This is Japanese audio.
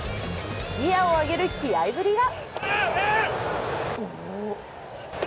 ギアを上げる気合いぶりが。